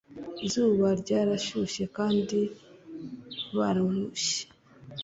izuba ryarashyushye kandi bararushye